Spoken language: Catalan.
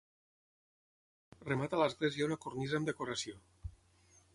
Remata l'església una cornisa amb decoració.